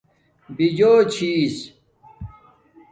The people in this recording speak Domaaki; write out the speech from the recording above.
بِجوچھس